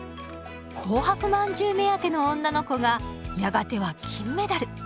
紅白饅頭目当ての女の子がやがては金メダル。